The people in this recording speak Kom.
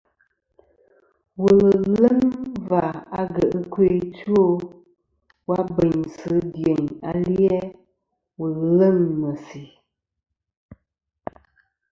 Wùl ɨ̀ leŋ và agyèʼ ɨkœ ɨ two wa bèynsɨ dyèyn ali-a wù leŋ ɨ̀ mèsì.